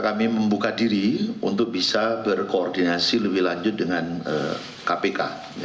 kami membuka diri untuk bisa berkoordinasi lebih lanjut dengan kpk